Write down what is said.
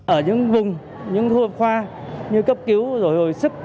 ở những vùng những khu hợp khoa như cấp cứu rồi hồi sức